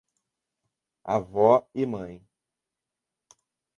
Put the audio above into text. Avó e mãe